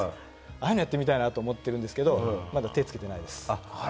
ああいうのやってみたいなと思ってるんですけど、まだ手つけてないです。